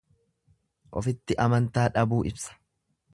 Ofitti amantaa dhabuu ibsa.